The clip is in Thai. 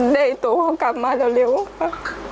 ได้ตัวเขากลับมาเร็วค่ะ